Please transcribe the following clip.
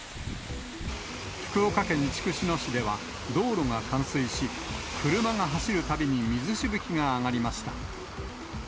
福岡県筑紫野市では、道路が冠水し、車が走るたびに水しぶきが上がりました。